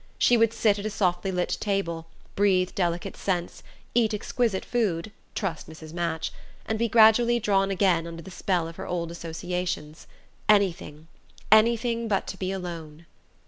She would sit at a softly lit table, breathe delicate scents, eat exquisite food (trust Mrs. Match!), and be gradually drawn again under the spell of her old associations. Anything, anything but to be alone....